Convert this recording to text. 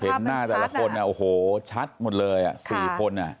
หน้าแต่ละคนโอ้โหชัดหมดเลย๔คน